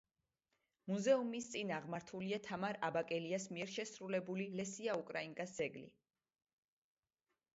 მუზეუმის წინ აღმართულია თამარ აბაკელიას მიერ შესრულებული ლესია უკრაინკას ძეგლი.